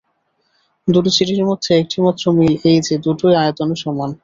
দুটো চিঠির মধ্যে একটিমাত্র মিল এই যে দুটোই আয়তনে সমান।